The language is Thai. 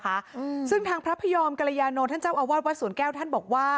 ก็เป็นเรื่องของความเชื่อความศรัทธาเป็นการสร้างขวัญและกำลังใจ